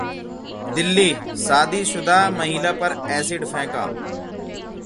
दिल्ली: शादीशुदा महिला पर एसिड फेंका